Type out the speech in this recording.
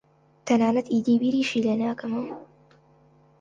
تەنانەت ئیدی بیریشی لێ ناکەمەوە.